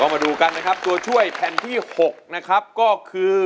มาดูกันนะครับตัวช่วยแผ่นที่๖นะครับก็คือ